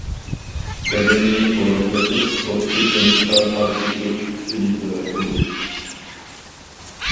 بەدەننى ئورۇقلىتىپ، ئوكسىدلىنىشقا قارشى تۇرۇش كۈچىنى زورايتىدۇ.